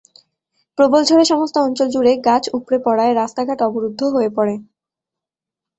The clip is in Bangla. প্রবল ঝড়ে সমস্ত অঞ্চল জুড়ে গাছ উপড়ে পড়ায় রাস্তাঘাট অবরুদ্ধ হয়ে পড়ে।